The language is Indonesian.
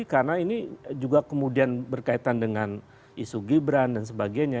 karena ini juga kemudian berkaitan dengan isu gibran dan sebagainya